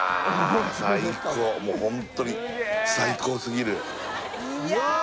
最高もうホントに最高すぎるいや！